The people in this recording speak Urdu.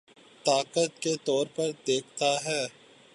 طاقت کے طور پر دیکھتا ہے